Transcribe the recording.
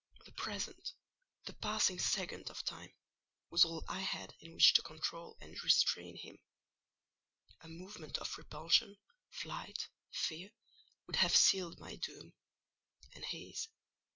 The present—the passing second of time—was all I had in which to control and restrain him: a movement of repulsion, flight, fear would have sealed my doom,—and his.